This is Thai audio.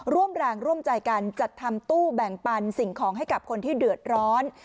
ร่วมแรงร่วมใจกันจัดทำตู้แบ่งปันสิ่งของให้กับคนที่เดือดร้อน